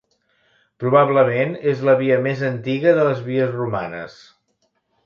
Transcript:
Probablement és la via més antiga de les vies romanes.